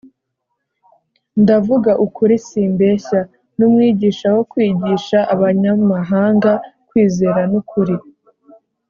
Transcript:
(ndavuga ukuri, simbeshya) n’umwigisha wo kwigisha abanyamahanga kwizera n’ukuri.